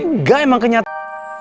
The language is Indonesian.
enggak emang kenyataan